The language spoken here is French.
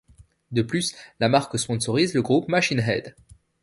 De plus la marque sponsorise le groupe Machine Head.